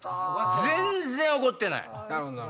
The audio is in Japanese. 全然怒ってない。